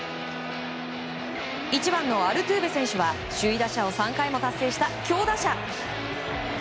１番のアルトゥーベ選手は首位打者を３回も達成した強打者。